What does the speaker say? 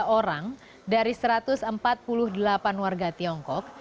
satu ratus empat puluh tiga orang dari satu ratus empat puluh delapan warga tiongkok